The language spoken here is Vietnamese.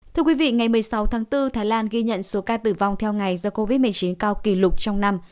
thưa quý vị ngày một mươi sáu tháng bốn thái lan ghi nhận số ca tử vong theo ngày do covid một mươi chín cao kỷ lục trong năm